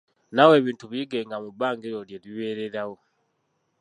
Naawe ebintu biyigenga mu bbanga eryo lye bibeererawo.